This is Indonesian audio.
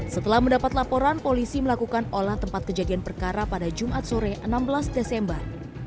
setelah mendapat laporan polisi melakukan olah tempat kejadian perkara pada jumat sore enam belas desember